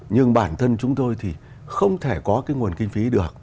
nhưng bản thân chúng tôi thì không thể có cái nguồn kinh phí được